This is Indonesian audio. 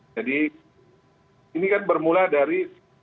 jadi ini kan bermula dari